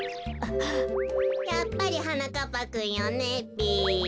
やっぱりはなかっぱくんよねべ。